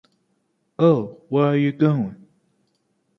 Oh, where are you going?